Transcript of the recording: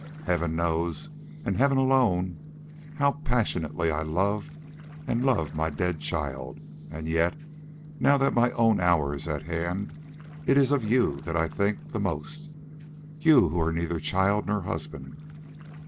Heaven knows, and Heaven alone, how passionately I loved and love my dead child; and yet, now that my own hour is at hand, it is of you that I think the most, you who are neither child nor husband.